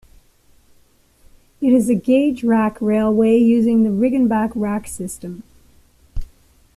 It is a gauge rack railway using the Riggenbach rack system.